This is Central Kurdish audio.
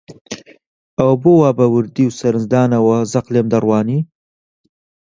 ئەوە بۆ وا بە وردی و سەرنجدانەوە زەق لێم دەڕوانی؟